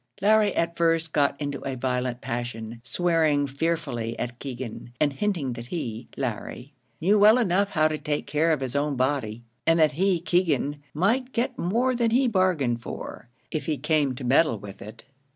Larry at first got into a violent passion, swearing fearfully at Keegan, and hinting that he, Larry, knew well enough how to take care of his own body; and that he, Keegan, might get more than he bargained for, if he came to meddle with it.